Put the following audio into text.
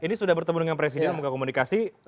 ini sudah bertemu dengan presiden membuka komunikasi